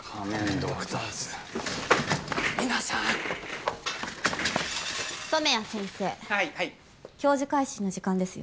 ドクターズ皆さん染谷先生はいはい教授回診の時間ですよ